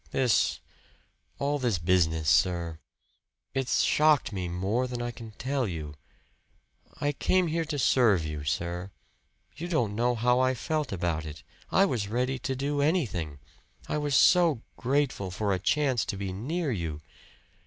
"This all this business, sir it's shocked me more than I can tell you. I came here to serve you, sir. You don't know how I felt about it. I was ready to do anything I was so grateful for a chance to be near you!